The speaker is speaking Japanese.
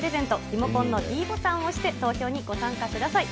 リモコンのｄボタンを押して、投票にご参加ください。